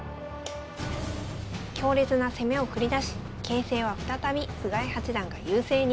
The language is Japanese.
強烈な攻めを繰り出し形勢は再び菅井八段が優勢に。